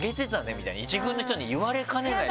みたいに１軍の人に言われかねない。